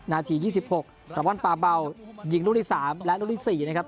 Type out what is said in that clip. นาทียี่สิบหกประวันปลาเบายิงลูกที่สามและลูกที่สี่นะครับ